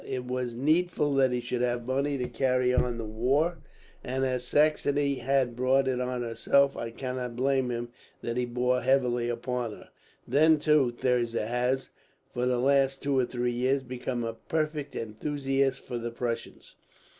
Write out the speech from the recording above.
It was needful that he should have money to carry on the war, and as Saxony had brought it on herself, I could not blame him that he bore heavily upon her. "Then, too, Thirza has, for the last two or three years, become a perfect enthusiast for the Prussians.